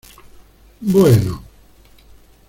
bueno...